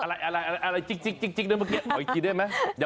อะไรจิกด้วยเมื่อกี้ออกอีกทีด้วยไหม